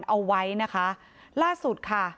เอาไว้นะคะล่าสุดค่ะ